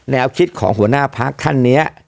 แนวคิดของหัวหน้าพักท่านนี้